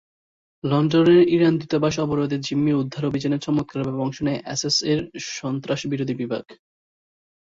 লন্ডনের ইরান দূতাবাস অবরোধে জিম্মি উদ্ধার অভিযানে চমৎকারভাবে অংশ নেয় এসএএস-র সন্ত্রাস বিরোধী বিভাগ।